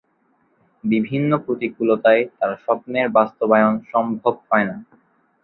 বিভিন্ন প্রতিকূলতায় তার স্বপ্নের বাস্তবায়ন সম্ভব হয়না।